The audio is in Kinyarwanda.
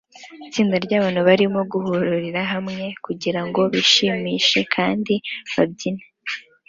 Itsinda ryabantu barimo guhurira hamwe kugirango bishimishe kandi babyine